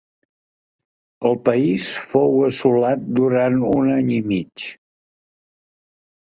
El país fou assolat durant un any i mig.